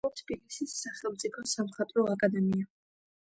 დაამთავრა თბილისის სახელმწიფო სამხატვრო აკადემია.